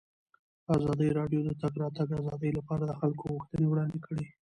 ازادي راډیو د د تګ راتګ ازادي لپاره د خلکو غوښتنې وړاندې کړي.